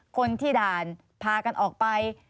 คนที่ด่านพากันออกไป